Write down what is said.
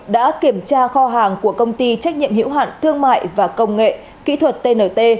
đã kiểm tra kho hàng của công ty trách nhiệm hiểu hạn thương mại và công nghệ kỹ thuật tnt